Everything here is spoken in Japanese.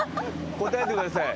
答えてください。